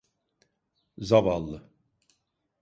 Zavallı.